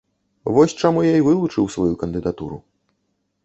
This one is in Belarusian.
Вось чаму я і вылучыў сваю кандыдатуру.